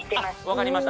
分かりました。